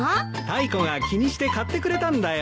タイコが気にして買ってくれたんだよ。